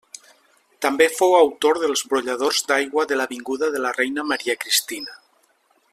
També fou autor dels brolladors d'aigua de l'avinguda de la Reina Maria Cristina.